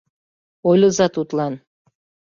— Ойлыза тудлан.